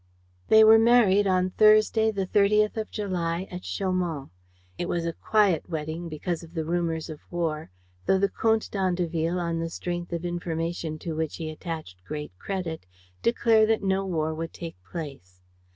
They were married on Thursday, the 30th of July, at Chaumont. It was a quiet wedding, because of the rumors of war, though the Comte d'Andeville, on the strength of information to which he attached great credit, declared that no war would take place.